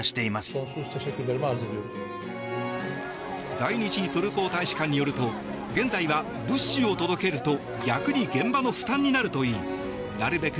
在日トルコ大使館によると現在は物資を届けると逆に現場の負担になるといいなるべく